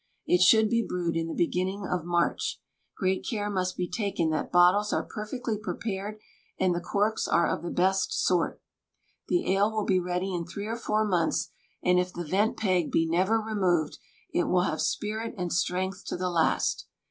It should be brewed in the beginning of March. Great care must be taken that bottles are perfectly prepared, and the corks are of the best sort. The ale will be ready in three or four months, and if the vent peg be never removed, it will have spirit and strength to the last.